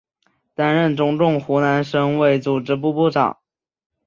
担任中共湖南省委组织部部长。